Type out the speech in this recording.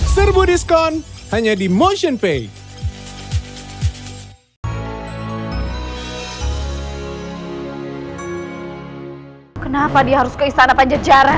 serbu diskon hanya di motionpay